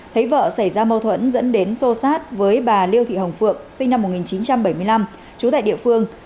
thấy vợ xảy ra mâu thuẫn dẫn đến sô sát với bà liêu thị hồng phượng sinh năm một nghìn chín trăm bảy mươi năm trú tại địa phương